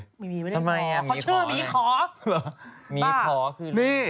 ไม่มีขอเขาเชื่อหมีขอ